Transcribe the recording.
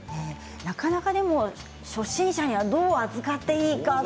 なかなか初心者にはどう扱っていいか。